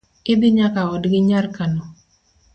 Idhi nyaka odgi nyar kano